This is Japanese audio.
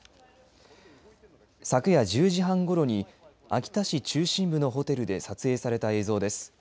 昨夜１０時半ごろに秋田市中心部のホテルで撮影された映像です。